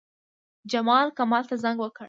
جمال، کمال ته زنګ وکړ.